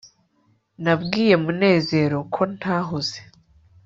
nabwiye munezero ko ntahuze